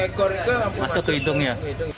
ekor itu masuk ke hidungnya